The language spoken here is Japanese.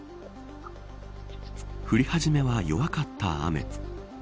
降り始めは弱かった雨。